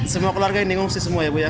semua keluarga yang mengungsi semua ya ibu ya